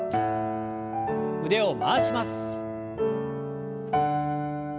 腕を回します。